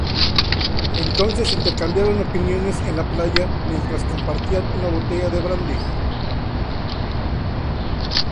Entonces intercambiaron opiniones en la playa mientras compartían una botella de brandy.